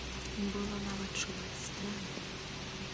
Было нават чуваць стрэлы.